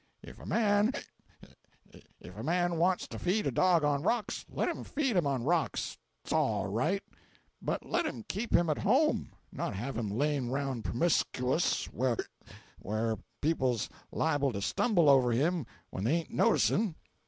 If a man—('ic!)—if a man wants to feed a dog on rocks, let him feed him on rocks; 'at's all right; but let him keep him at home—not have him layin' round promiscuous, where ('ic!) where people's liable to stumble over him when they ain't noticin'!"